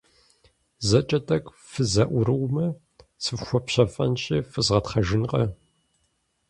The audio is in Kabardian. ЗэкӀэ тӀэкӀу фызэӀурыумэ, сыфхуэпщэфӀэнщи, фызгъэтхъэжынкъэ.